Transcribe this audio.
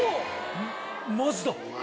マジだ！